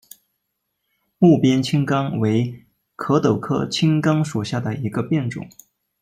睦边青冈为壳斗科青冈属下的一个变种。